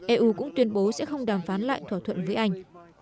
eu cũng tuyên bố sẽ không đàm phán lại thỏa thuận với anh